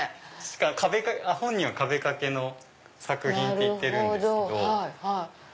本人は壁掛けの作品って言ってるんですけど。